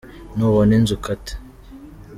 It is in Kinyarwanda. nubona inzu ukate.